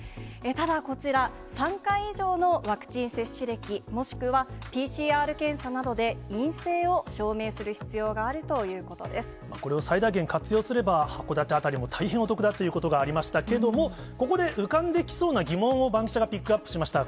ただこちら、３回以上のワクチン接種歴、もしくはＰＣＲ検査などで陰性を証明する必要があるということでこれを最大限活用すれば、函館辺りも大変お得だということがありましたけれども、ここで浮かんできそうな疑問をバンキシャがピックアップしました。